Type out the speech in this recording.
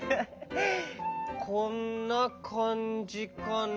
こんなかんじかな？